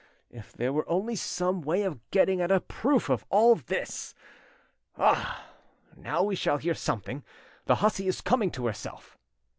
If there were only some way of getting at a proof of all this! Ah! now we shall hear something; the hussy is coming to herself."